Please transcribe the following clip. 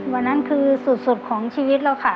วันนั้นคือสุดของชีวิตเราค่ะ